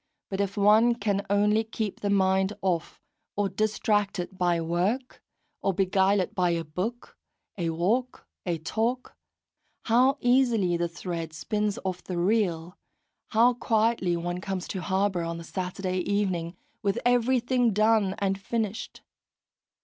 But if one can only keep the mind off, or distract it by work, or beguile it by a book, a walk, a talk, how easily the thread spins off the reel, how quietly one comes to harbour on the Saturday evening, with everything done and finished!